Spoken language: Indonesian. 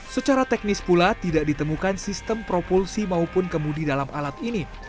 secara teknis pula tidak ditemukan sistem propulsi maupun kemudi dalam alat ini